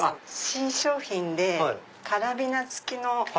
新商品でカラビナ付きの。